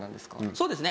そうですね